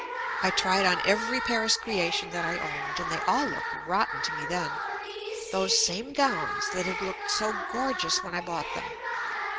I tried on every Paris creation that I owned, JUST ME and they all looked rotten to me then. Those same gowns that had looked so gorgeous when I bought them.